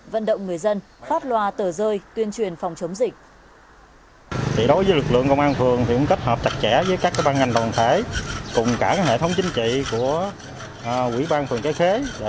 vận động người dân phát loa tờ rơi tuyên truyền phòng chống dịch